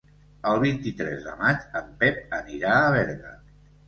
El vint-i-tres de maig en Pep anirà a Berga.